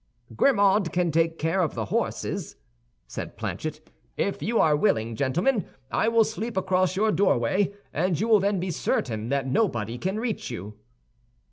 "Grimaud can take care of the horses," said Planchet. "If you are willing, gentlemen, I will sleep across your doorway, and you will then be certain that nobody can reach you."